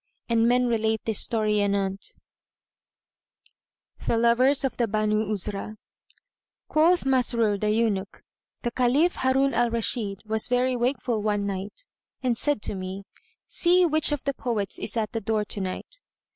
And men relate this story anent THE LOVERS OF THE BANU UZRAH.[FN#125] Quoth Masrur the Eunuch:—The Caliph Harun Al Rashid was very wakeful one night and said to me, "See which of the poets is at the door to night."